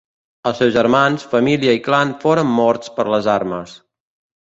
Els seus germans, família i clan foren mort per les armes.